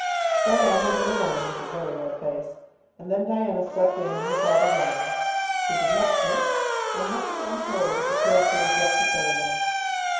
Fred ambled in alone, with a very red face, and then Diana swept in on her father's arm. She did not faint, and nothing untoward occurred to interrupt the ceremony.